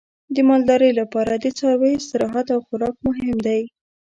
د مالدارۍ لپاره د څارویو استراحت او خوراک مهم دی.